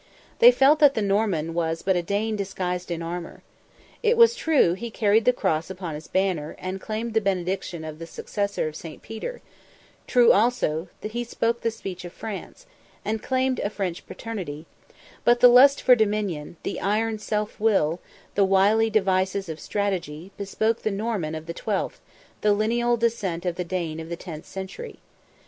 They felt that the Norman was but a Dane disguised in armour. It was true he carried the cross upon his banner, and claimed the benediction of the successor of St. Peter; true also he spoke the speech of France, and claimed a French paternity; but the lust for dominion, the iron self will, the wily devices of strategy, bespoke the Norman of the twelfth, the lineal descendant of the Dane of the tenth century.